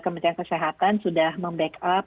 menteri kesehatan sudah membackup